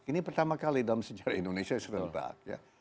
ini pertama kali dalam sejarah indonesia serentak